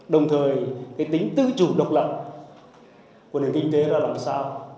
đồng thời cái tính tự chủ độc lập của nền kinh tế ra làm sao